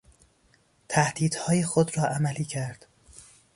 تهدیدهای خود را عملی کرد.